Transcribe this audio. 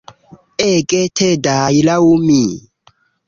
Ege tedaj, laŭ mi.